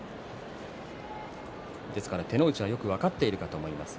だから手の内がよく分かっていると思います。